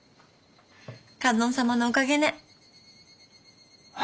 観音様のおかげね。